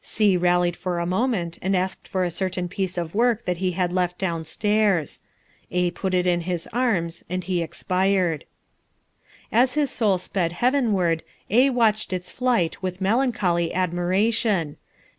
C rallied for a moment and asked for a certain piece of work that he had left downstairs. A put it in his arms and he expired. As his soul sped heavenward A watched its flight with melancholy admiration.